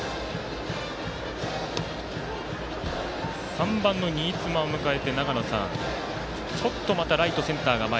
３番の新妻を迎えてちょっとライト、センターが前。